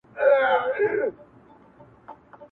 هم د بابا- هم د نیکه- حماسې هېري سولې-